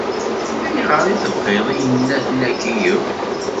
Ayɣer i tebɣiḍ iyennaten-agi yakk?